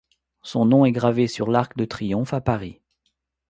Son nom est gravé sur l’Arc de triomphe à Paris.